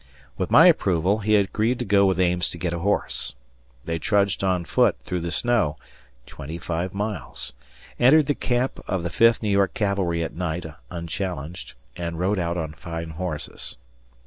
With my approval he agreed to go with Ames to get a horse. They trudged on foot through the snow twenty five miles entered the camp of the Fifth New York Cavalry at night, unchallenged, and rode out on fine horses.